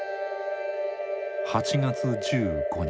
８月１５日。